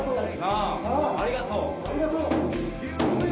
ありがとう